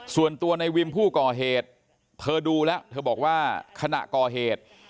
ส่วนตัวในวิมผู้ก่อเหตุเธอดูแล้วเธอบอกว่าขณะก่อเหตุ